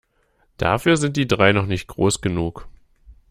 Dafür sind die drei noch nicht groß genug.